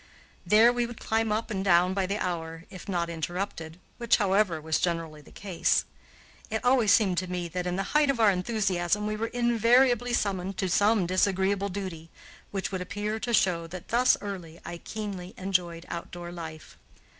There we would climb up and down by the hour, if not interrupted, which, however, was generally the case. It always seemed to me that, in the height of our enthusiasm, we were invariably summoned to some disagreeable duty, which would appear to show that thus early I keenly enjoyed outdoor life.